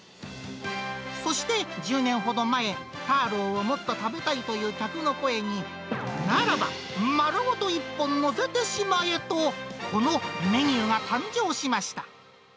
そして１０年ほど前、ターローをもっと食べたいという客の声に、ならば丸ごと一本載せてしまえと、このメニューが誕生しました。